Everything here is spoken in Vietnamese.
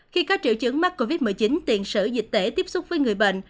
khi có triệu chứng mắc covid một mươi chín tiền sử dịch tễ tiếp xúc với người bệnh